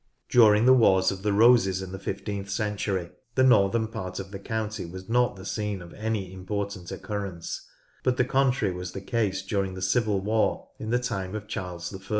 During the Wars of the Roses in the fifteenth century, the northern part of the county was not the scene of any important occurrence, but the contrary was the case during the civil war in the time of Charles I.